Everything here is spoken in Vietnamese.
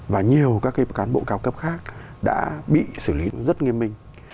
và nhiều các cán bộ cao cấp khác đã bị xử lý rất nghiêm minh